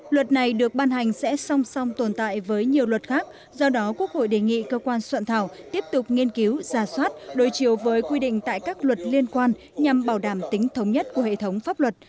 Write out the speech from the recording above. luật này được ban hành sẽ song song tồn tại với nhiều luật khác do đó quốc hội đề nghị cơ quan soạn thảo tiếp tục nghiên cứu giả soát đối chiều với quy định tại các luật liên quan nhằm bảo đảm tính thống nhất của hệ thống pháp luật